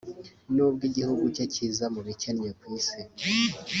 nubwo igihugu cye kiza mu bikennye ku isi